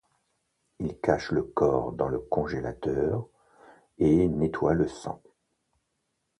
Il cache le corps dans le congélateur et nettoie le sang.